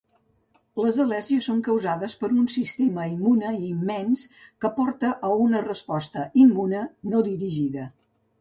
Les al·lèrgies són causades per un sistema immune immens, que porta a una resposta immune no dirigida.